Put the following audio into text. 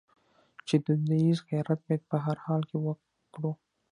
چې دودیز غیرت باید په هر حال کې وکړو.